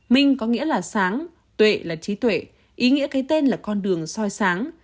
minh có nghĩa là sáng tuệ là trí tuệ ý nghĩa cái tên là con đường soi sáng